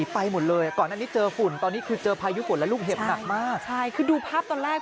ไปแล้วไปแน่เราเผ็ดงนอก